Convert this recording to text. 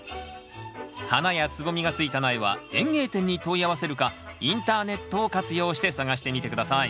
花や蕾がついた苗は園芸店に問い合わせるかインターネットを活用して探してみて下さい。